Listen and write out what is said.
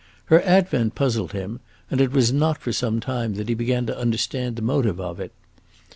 Her advent puzzled him, and it was not for some time that he began to understand the motive of it.